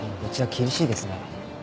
うちは厳しいですね。